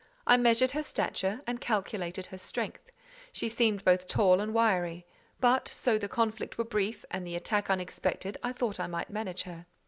I measured her stature and calculated her strength. She seemed both tall and wiry; but, so the conflict were brief and the attack unexpected, I thought I might manage her.